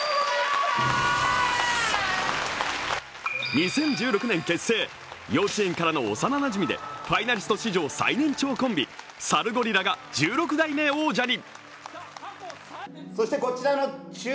２０１６年結成、幼稚園からの幼なじみでファイナリスト史上最年長コンビサルゴリラが１６代目王者に。